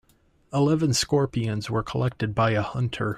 Eleven scorpions were collected by a hunter.